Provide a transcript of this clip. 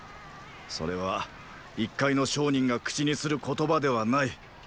それは一介の商人が口にする言葉ではない。